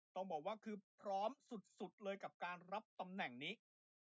ต้องบอกว่าคือพร้อมสุดเลยกับการรับตำแหน่งนี้